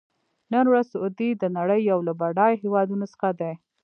نن ورځ سعودي د نړۍ یو له بډایه هېوادونو څخه دی.